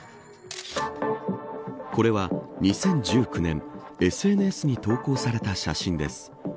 これは２０１９年ＳＮＳに投稿された写真です。